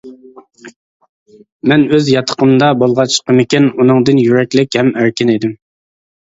مەن ئۆز ياتىقىمدا بولغاچقىمىكىن ئۇنىڭدىن يۈرەكلىك ھەم ئەركىن ئىدىم.